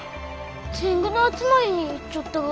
天狗の集まりに行っちょったが？